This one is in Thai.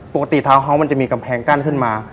ทาวน์เฮาสมันจะมีกำแพงกั้นขึ้นมา